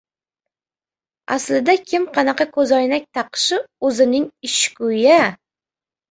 Aslida kim qanaqa ko‘zoynak taqishi o‘zining ishiku-ya!